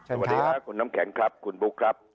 สวัสดีค่ะคุณน้ำแข็งครับคุณบุ๊คครับ